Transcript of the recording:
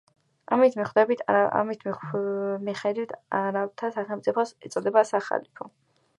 ამის მიხედვით არაბთა სახელმწიფოს ეწოდა სახალიფო.